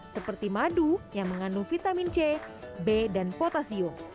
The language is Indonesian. seperti madu yang mengandung vitamin c b dan potasium